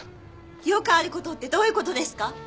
よくある事ってどういう事ですか？